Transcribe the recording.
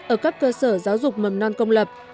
ở các cơ sở giáo dục mầm non công lập